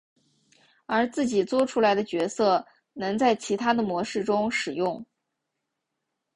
而自己作出来的角色能在其他的模式中使用。